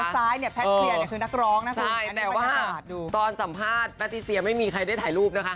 ซ้ายเนี่ยแพทเคลียร์เนี่ยคือนักร้องนะคุณแต่ว่าตอนสัมภาษณ์แพทิเซียไม่มีใครได้ถ่ายรูปนะคะ